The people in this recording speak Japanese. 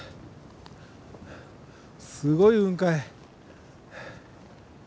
すごい雲海。